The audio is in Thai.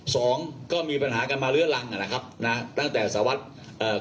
สองก็มีปัญหาการมาเรื้อรังน่ะนะครับน่ะตั้งแต่สระวัสธนาฬิบัติ